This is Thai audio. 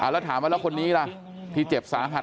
แล้วถามว่าแล้วคนนี้ล่ะที่เจ็บสาหัส